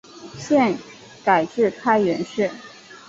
现改置开原市。